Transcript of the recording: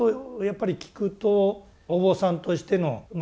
やっぱり聞くとお坊さんとしての修行